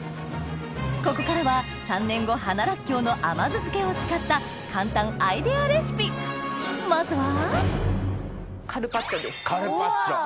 ここからは三年子花らっきょうの甘酢漬けを使った簡単アイデアレシピまずはカルパッチョ。